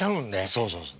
そうそうそう。